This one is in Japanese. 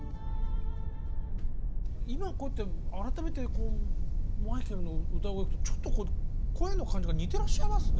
今こうやって改めてマイケルの歌声聴くとちょっと声の感じが似てらっしゃいますね。